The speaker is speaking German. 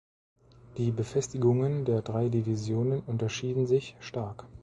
Die Befestigungen der drei Divisionen unterschieden sich stark.